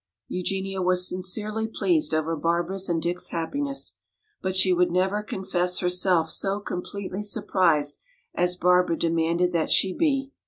Eugenia was sincerely pleased over Barbara's and Dick's happiness. But she would never confess herself so completely surprised as Barbara demanded that she be.